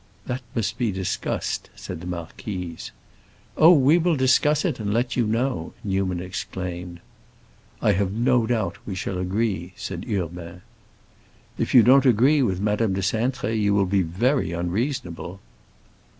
"That must be discussed," said the marquise. "Oh, we will discuss it, and let you know!" Newman exclaimed. "I have no doubt we shall agree," said Urbain. "If you don't agree with Madame de Cintré, you will be very unreasonable."